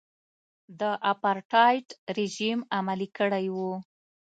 د اپارټایډ رژیم عملي کړی و.